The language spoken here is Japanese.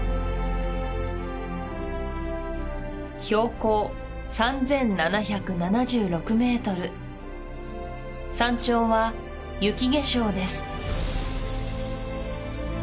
標高３７７６ｍ山頂は雪化粧です